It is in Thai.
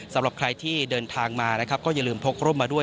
สำหรับใครที่เดินทางมานะครับก็อย่าลืมพกร่มมาด้วย